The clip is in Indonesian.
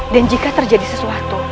dan jika terjadi sesuatu